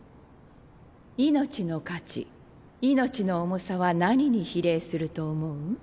命の価値命の重さは何に比例すると思う？